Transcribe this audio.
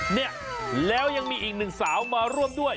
เนี่ยแล้วยังมีอีกหนึ่งสาวมาร่วมด้วย